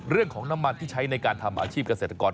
เรื่องของน้ำมันที่ใช้ในการทำอาชีพเกษตรกร